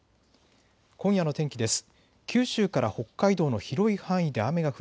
今夜の天気です。